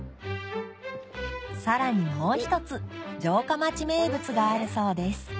さらにもう一つ城下町名物があるそうです